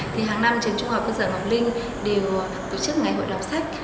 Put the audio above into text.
thì hàng năm trường trung học cơ sở ngọc linh đều tổ chức ngày hội đọc sách